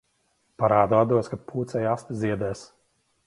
Parādu atdos, kad pūcei aste ziedēs.